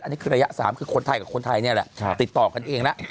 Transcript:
อันนี้คือระยะ๓คือคนไทยกับคนไทยนี่แหละติดต่อกันเองแล้ว